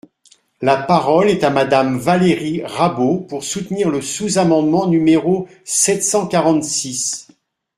La parole est à Madame Valérie Rabault, pour soutenir le sous-amendement numéro sept cent quarante-six.